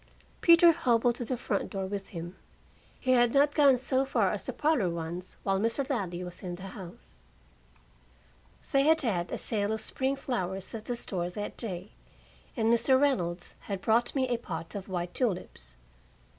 Peter hobbled to the front door with him. He had not gone so far as the parlor once while Mr. Ladley was in the house. They had had a sale of spring flowers at the store that day, and Mr. Reynolds had brought me a pot of white tulips.